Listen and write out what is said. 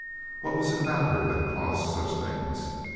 What was it about her that caused such things?